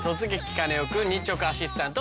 日直アシスタント